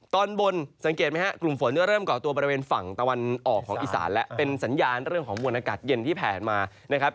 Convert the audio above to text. ตอนบนสังเกตไหมครับกลุ่มฝนจะเริ่มก่อตัวบริเวณฝั่งตะวันออกของอีสานแล้วเป็นสัญญาณเรื่องของมวลอากาศเย็นที่ผ่านมานะครับ